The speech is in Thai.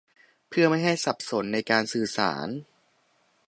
เพื่อไม่ให้สับสนในการสื่อสาร